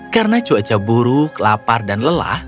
karena cuaca buruk lapar dan lelah